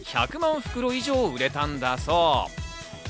袋以上売れたんだそう。